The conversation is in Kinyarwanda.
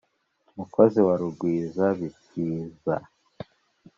mukozi wa rugwizabisiza